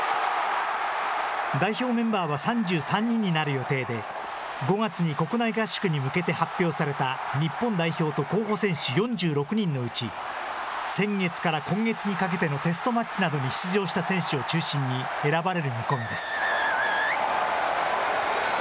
代表メンバーは３３人になる予定で、５月に、国内合宿に向けて発表された日本代表と候補選手４６人のうち、先月から今月にかけてのテストマッチなどに出場した選手を中心に選ばれる見込みです。